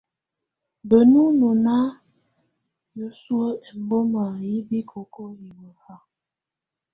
Benu nɔ na yəsuə ɛmbɔma yɛ bikoko hiwə ha.